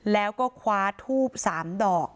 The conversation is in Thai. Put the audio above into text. แล้วก็คว้าทูบ๓ดอก